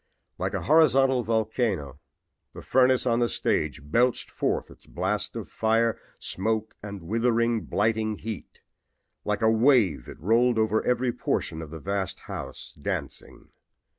Like a horizontal volcano the furnace on the stage belched forth its blast of fire, smoke, gas and withering, blighting heat. Like a wave it rolled over every portion of the vast house, dancing.